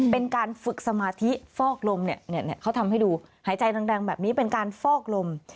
เป็นการฝึกสมาธิฟอกลมเขาทำให้ดูหายใจแรงแบบนี้เป็นการฟอกลม